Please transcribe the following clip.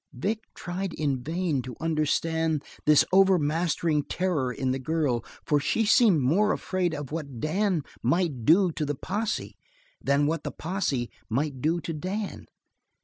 Vic tried in vain to understand this overmastering terror in the girl, for she seemed more afraid of what Dan might do to the posse than what the posse might do to Dan.